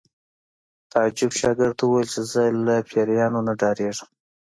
تعجب شاګرد ته وویل چې زه له پیریانو نه ډارېږم